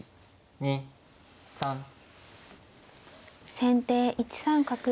先手１三角打。